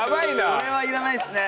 これはいらないですね。